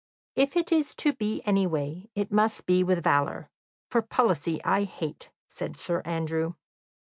"If it is to be anyway, it must be with valour, for policy I hate," said Sir Andrew.